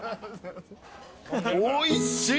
おいしい。